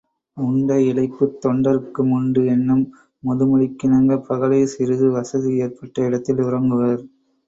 உண்டஇளைப்புத் தொண்டர்க்கு முண்டு என்னும் முதுமொழிக்கிணங்கப் பகலில் சிறிது வசதி ஏற்பட்ட இடத்தில் உறங்குவர்.